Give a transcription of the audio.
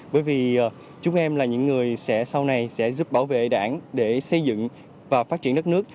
bởi vì chúng em là những người sẽ sau này sẽ giúp bảo vệ đảng để xây dựng và phát triển đất nước